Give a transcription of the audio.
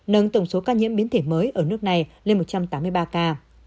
nâng tổng số ca nhiễm biến thể mới ở nước này lên một trăm tám mươi ba ca